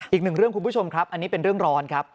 อีกหนึ่งเรื่องคุณผู้ชมครับอันนี้เป็นเรื่องร้อนครับ